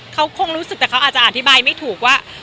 เขาคงรู้สึกแต่เขาอาจจะอธิบายไม่ถูกว่า